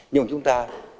nhưng chúng ta